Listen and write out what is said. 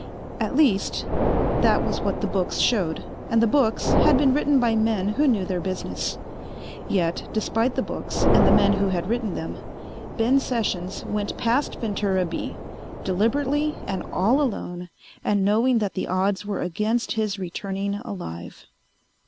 At least that was what the books showed, and the books had been written by men who knew their business. Yet, despite the books and the men who had written them, Ben Sessions went past Ventura B, deliberately and all alone and knowing that the odds were against his returning alive.